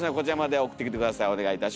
はい。